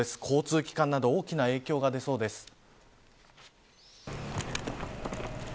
交通機関など大きな影響が出そうです。